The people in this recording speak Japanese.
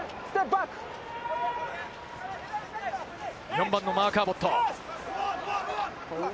４番のマーク・アボット。